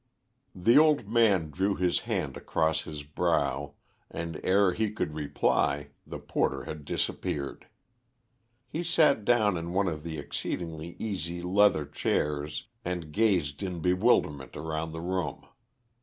The old man drew his hand across his brow, and ere he could reply the porter had disappeared. He sat down in one of the exceedingly easy leather chairs and gazed in bewilderment around the room.